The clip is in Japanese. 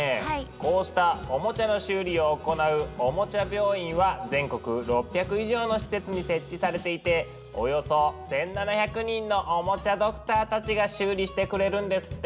こうしたおもちゃの修理を行う「おもちゃ病院」は全国６００以上の施設に設置されていておよそ１，７００人のおもちゃドクターたちが修理してくれるんですって！